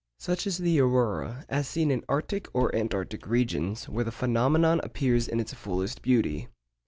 Such is the aurora as seen in arctic or antarctic regions, where the phenomenon appears in its fullest beauty.